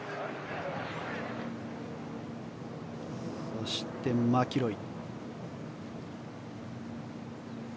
そしてマキロイ。